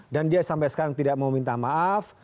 dan dia sampai sekarang tidak mau minta maaf